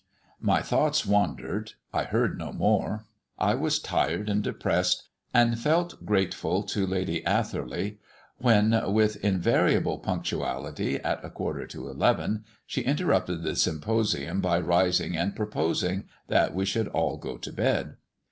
My thoughts wandered I heard no more. I was tired and depressed, and felt grateful to Lady Atherley when, with invariable punctuality, at a quarter to eleven, she interrupted the symposium by rising and proposing that we should all go to bed.